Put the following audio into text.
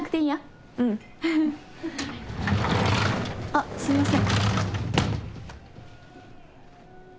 あっすいません。